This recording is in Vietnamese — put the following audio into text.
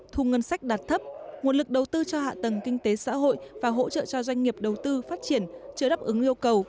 thu ngân sách đạt thấp nguồn lực đầu tư cho hạ tầng kinh tế xã hội và hỗ trợ cho doanh nghiệp đầu tư phát triển chưa đáp ứng yêu cầu